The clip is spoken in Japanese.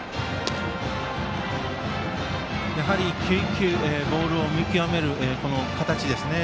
１球１球ボールを見極める形ですね。